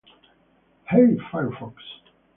Hey Firefox